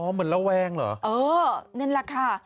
อ๋อเหมือนเล่าแวงเหรออ๋อนั่นแหละค่ะ